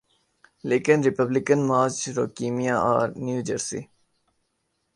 لیکن Republican Marge Roukema R New Jersey